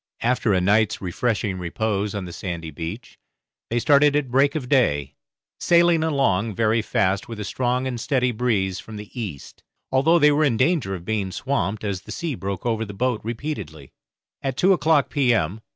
After a night's refreshing repose on the sandy beach, they started at break of day, sailing along very fast with a strong and steady breeze from the east, although they were in danger of being swamped, as the sea broke over the boat repeatedly. At two o'clock p.m.